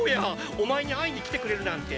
お前に会いに来てくれるなんて！！